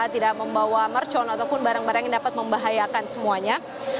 tidak membawa mercon ataupun barang barang yang dapat membahayakan semuanya